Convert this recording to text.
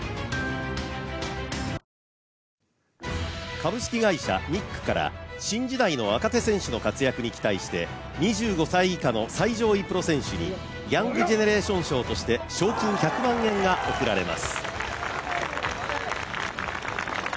株式会社ミックから、新時代の若手選手の活躍に期待して、２５歳以下の最上位プロ選手にヤングジェネレーション賞として賞金１００万円が贈られます。